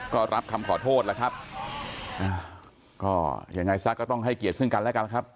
ก็รับคำขอโทษแล้วครับอ่าก็ยังไงซะก็ต้องให้เกียรติซึ่งกันแล้วกันนะครับ